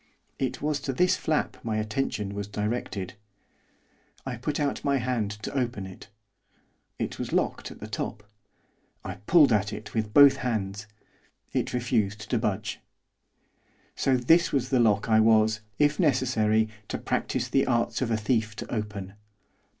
It was to this flap my attention was directed. I put out my hand to open it; it was locked at the top. I pulled at it with both hands; it refused to budge. So this was the lock I was, if necessary, to practise the arts of a thief to open.